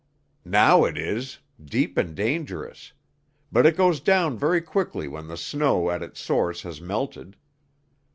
"Now it is deep and dangerous. But it goes down very quickly when the snow at its source has melted.